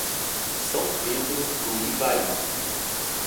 São Pedro do Ivaí